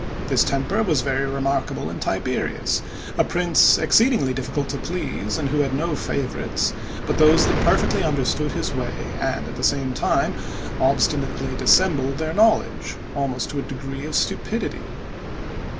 This temper was very remarkable in Tiberius, a prince exceedingly difficult to please, and who had no favorites but those that perfectly understood his way, and, at the same time, obstinately dissembled their knowledge, almost to a degree of stupidity.